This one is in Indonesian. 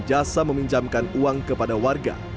jasa meminjamkan uang kepada warga